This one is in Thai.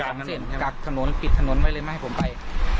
กักถนนปิดถนนไว้เลยไม่ให้ผมไป